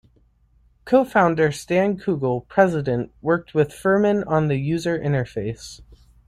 Co-founder Stan Kugell, President, worked with Firmin on the user interface.